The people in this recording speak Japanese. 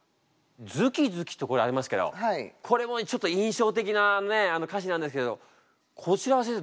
「ＺＵＫＩ−ＺＵＫＩ」とありますけどこれもちょっと印象的なね歌詞なんですけどこちらは先生